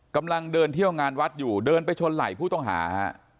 กำลังเดินเที่ยวงานวัดอยู่เดินไปชนไหล่ผู้ต้องหาฮะ